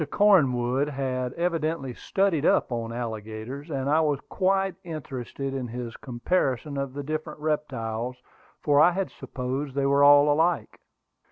Cornwood had evidently "studied up" on alligators; and I was quite interested in his comparison of the different reptiles, for I had supposed they were all alike.